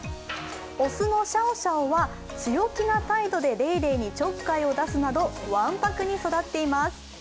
雄のシャオシャオは強気な態度でレイレイにちょっかいを出すなどわんぱくに育っています。